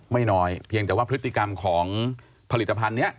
ไม่น้อยเพียงแต่ว่าพฤติกรรมของผลิตภัณฑ์นี้